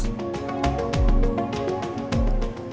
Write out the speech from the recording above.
buat bantuin bos